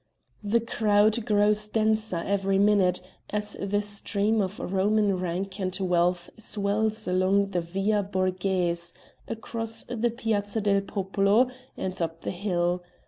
The crowd grows denser every minute as the stream of Roman rank and wealth swells along the Via Borghese, across the Piazza del Popolo, and up the hill.